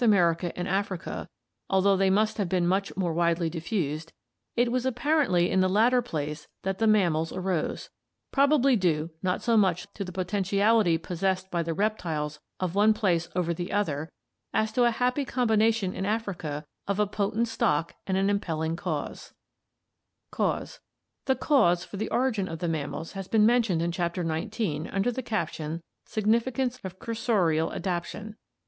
F, America and Africa, although prefrontal; S. Ang, surangular; Sq, squamosal, they must have been much (After Broom, from Schuchert's Historical more widely diffused, it was Geoloiy^ apparently in the latter place that the mammals arose, probably due not so much to the potentiality possessed by the reptiles of one place over the other as to a happy combination in Africa of a potent stock and an impelling cause. Cause. — The cause for the origin of the mammals has been men tioned in Chapter XIX under the caption " Significance of cursorial adaptation."